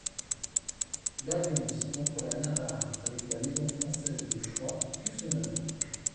L’alliance entre la Navarre avec la maison française de Foix fut son œuvre.